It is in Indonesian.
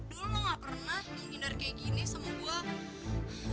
dulu lo gak pernah menghindar kayak gini sama gue